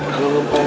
eh itu itu apa